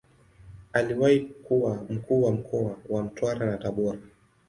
Aliwahi kuwa Mkuu wa mkoa wa Mtwara na Tabora.